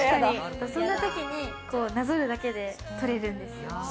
そんなときに、なぞるだけで取れるんですよ。